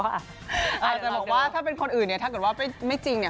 อาจจะบอกว่าถ้าเป็นคนอื่นเนี่ยถ้าเกิดว่าไม่จริงเนี่ย